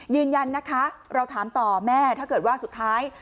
ยืนยันนะคะเราถามต่อแม่ถ้าเกิดว่าสุดท้าย